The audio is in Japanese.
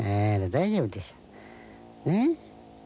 大丈夫でしょ。